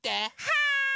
はい！